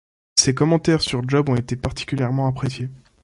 Ses commentaires sur Job ont été particulièrement appréciés.